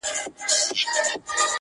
تر اټکه د هلیمند څپې رسیږي!